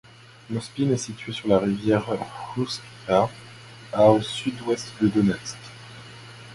Mospyne est située sur la rivière Hrouzska, à au sud-est de Donetsk.